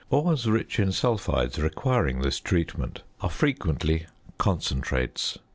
Ores rich in sulphides requiring this treatment are frequently "concentrates."